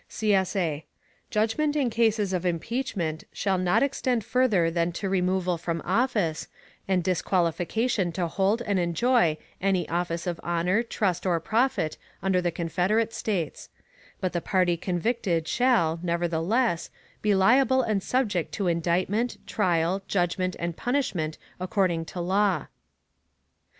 [CSA] Judgment in cases of impeachment shall not extend further than to removal from office, and disqualification to hold and enjoy any office of honor, trust, or profit, under the Confederate States; but the party convicted shall, nevertheless, be liable and subject to indictment, trial, judgment, and punishment according to law.